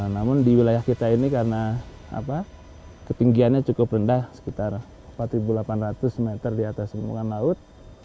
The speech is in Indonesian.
namun di wilayah kita ini karena ketinggiannya cukup rendah sekitar empat delapan ratus meter di atas permukaan laut